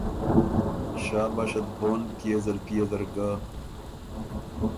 شاباشت بون پيې زلپيې زر ګۀ۔